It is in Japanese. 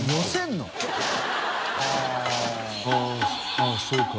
あっそうか。